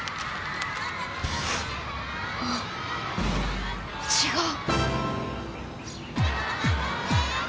あっ違う。